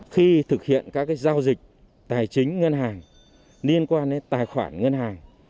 khi thực hiện các giao dịch tài chính ngân hàng liên quan đến tài khoản ngân hàng